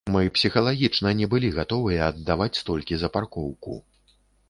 Мы псіхалагічна не былі гатовыя аддаваць столькі за паркоўку.